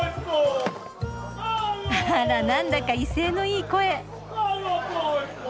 あらなんだか威勢のいい声。